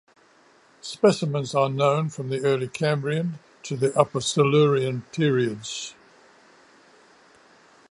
Specimens are known from the early Cambrian to the upper Silurian periods.